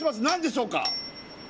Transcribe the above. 何でしょうか？